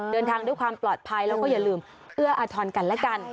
เดินทางด้วยความปลอดภัยแล้วก็อย่าลืมเอื้ออาทรกันแล้วกัน